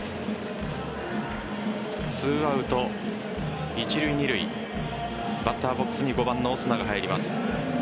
２アウト一塁・二塁バッターボックスに５番のオスナが入ります。